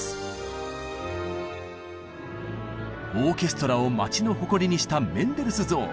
オーケストラを町の誇りにしたメンデルスゾーン。